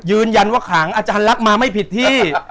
ยืนยันว่าขังอาจารย์ลักษณ์มาไม่ผิดที่